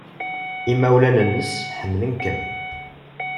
Imawlan-nnes ḥemmlen-kem.